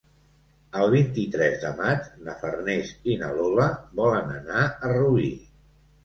El vint-i-tres de maig na Farners i na Lola volen anar a Rubí.